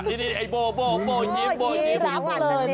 นี่ไอ้โบยิ้มยิ้มยิ้ม